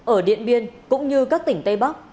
ở điện biên cũng như các tỉnh tây bắc